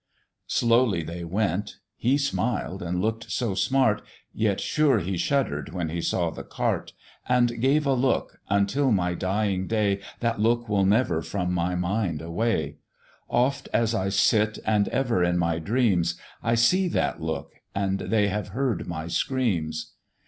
"Slowly they went; he smiled, and look'd so smart, Yet sure he shudder'd when he saw the cart, And gave a look until my dying day, That look will never from my mind away: Oft as I sit, and ever in my dreams, I see that look, and they have heard my screams.